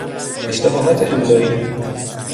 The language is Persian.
اشتباهات املایی